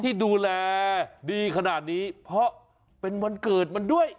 ที่ดูแลดีขนาดนี้เพราะเป็นวันเกิดมันด้วย